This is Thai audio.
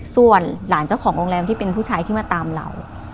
ส่วนหลานเจ้าของโรงแรมที่เป็นผู้ชายที่มาตามเรา